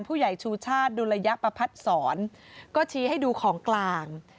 ผู้ใหญ่ชูชาติดุลยะปภัทธ์สอนก็ชี้ให้ดูของกลาง